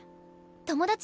友達？